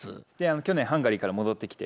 去年ハンガリーから戻ってきて。